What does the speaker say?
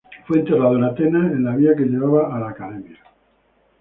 Fue enterrado en Atenas en la vía que llevaba a la Academia.